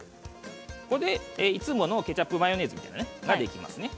これでいつものケチャップマヨネーズみたいなものができますね。